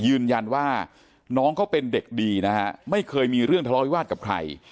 ยืนยันว่าน้องเขาเป็นเด็กดีนะฮะไม่เคยมีเรื่องทะเลาวิวาสกับใคร